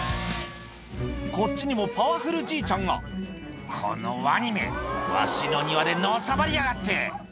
こっちにもパワフルじいちゃんが「このワニめわしの庭でのさばりやがって」